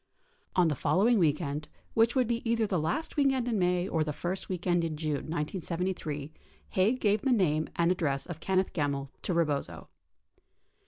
54 On the following weekend, which would be either the last weekend in May or the first weekend in June 1973, Haig gave the name and address of Kenneth Gemmill to Rebozo.